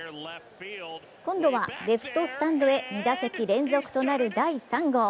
今度はレフトスタンドへ２打席連続となる第３号。